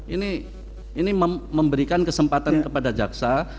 ini ini memberikan kesempatan kepada caksa